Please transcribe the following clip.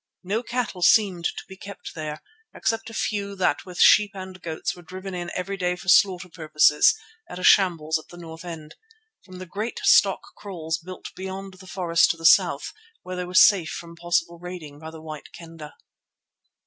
No cattle seemed to be kept there, except a few that with sheep and goats were driven in every day for slaughter purposes at a shambles at the north end, from the great stock kraals built beyond the forest to the south, where they were safe from possible raiding by the White Kendah.